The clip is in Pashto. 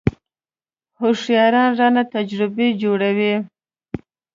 هوښیاران رانه تجربې جوړوي .